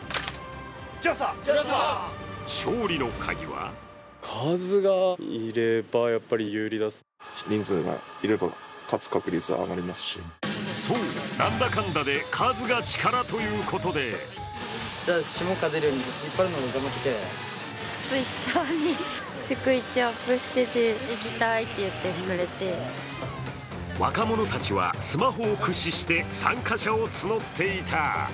勝利の鍵はそう、なんだかんだで数が力だということで若者たちはスマホを駆使して参加者を募っていた。